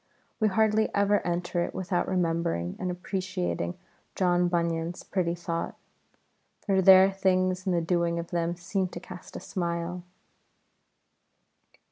We hardly ever enter it without remembering and appreciating John Bunyan's pretty thought, for there things in the doing of them seem to cast a smile.